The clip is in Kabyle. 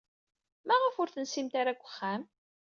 Maɣef ur tensimt ara deg uxxam?